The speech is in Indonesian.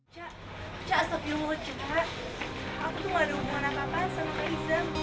cak cak stop yuk coba aku tuh gak ada hubungan apa apa sama kak iza